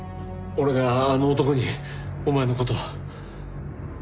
俺があの男にお前の事を。